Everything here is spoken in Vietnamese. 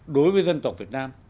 đối với dân tộc việt nam